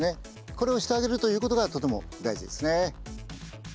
これをしてあげるということがとても大事ですね。